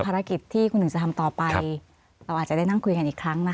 ภารกิจที่คุณหนึ่งจะทำต่อไปเราอาจจะได้นั่งคุยกันอีกครั้งนะคะ